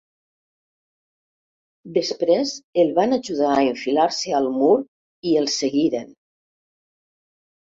Després el van ajudar a enfilar-se al mur i el seguiren.